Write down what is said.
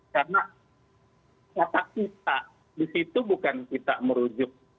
karena kata kita di situ bukan kita merujuk